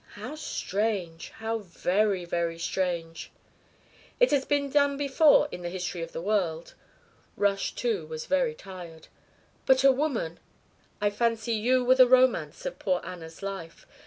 How strange! How very, very strange!" "It has been done before in the history of the world." Rush too was very tired. "But a woman " "I fancy you were the romance of poor Anna's life.